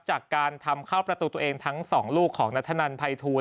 จากการทำเข้าประตูตัวเองทั้ง๒ลูกของนัทธนันภัยทูล